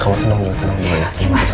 kamu tenang ya tenang ya